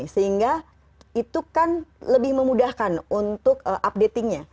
sehingga itu kan lebih memudahkan untuk updatingnya